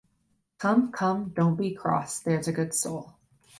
Come, come, don’t be cross, there’s a good soul.